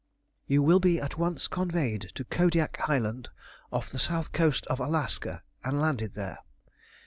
"You will be at once conveyed to Kodiak Island, off the south coast of Alaska, and landed there.